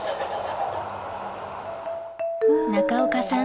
中岡さん